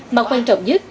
mà quan trọng nhất